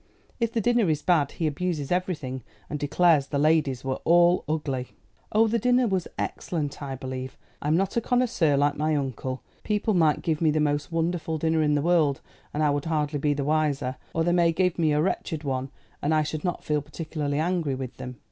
If the dinner is bad he abuses everything, and declares the ladies were all ugly." "Oh, the dinner was excellent, I believe. I'm not a connoisseur, like my uncle. People might give me the most wonderful dinner in the world, and I would hardly be the wiser; or they might give me a wretched one, and I should not feel particularly angry with them."